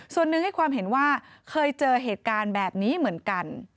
ส่วนหนึ่งให้ความเห็นว่าเคยเจอเหตุการณ์แบบนี้เหมือนกัน